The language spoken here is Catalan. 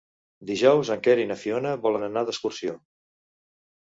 Dijous en Quer i na Fiona volen anar d'excursió.